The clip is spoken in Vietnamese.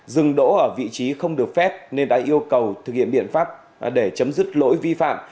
dừng đỗ ở vị trí không được phép nên đã yêu cầu thực hiện biện pháp để chấm dứt lỗi vi phạm